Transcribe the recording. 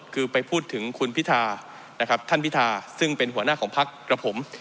คือไปพูดถึงคุณพิธานะครับท่านพิธาซึ่งเป็นหัวหน้าของพักกับผม